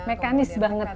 mekanis banget nih